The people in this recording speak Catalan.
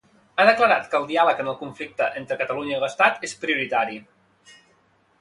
Ha declarat que el diàleg en el conflicte entre Catalunya i l'Estat és prioritari.